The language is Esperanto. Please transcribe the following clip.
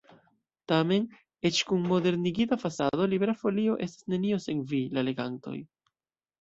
Tamen, eĉ kun modernigita fasado, Libera Folio estas nenio sen vi, la legantoj.